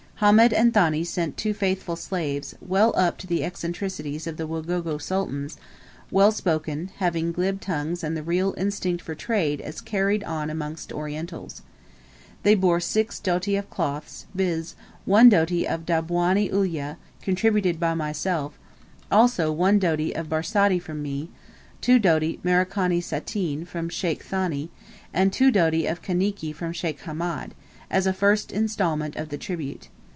Hamed and Thani sent two faithful slaves, well up to the eccentricities of the Wagogo sultans well spoken, having glib tongues and the real instinct for trade as carried on amongst Orientals. They bore six doti of cloths, viz., one doti of Dabwani Ulyah contributed by myself, also one doti of Barsati from me, two doti Merikani Satine from Sheikh Thani, and two doti of Kaniki from Sheikh Hamed, as a first instalment of the tribute.